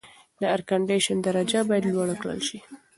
د اېرکنډیشن درجه باید لوړه کړل شي.